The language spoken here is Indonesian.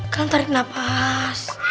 kalian tarik nafas